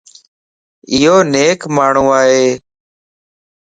ايو نيڪ ماڻھو ائي.